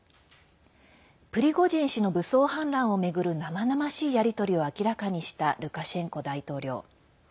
プリゴジン氏の武装反乱を巡る生々しいやり取りを明らかにしたルカシェンコ大統領。